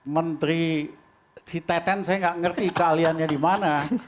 menteri si teten saya gak ngerti kealiannya di mana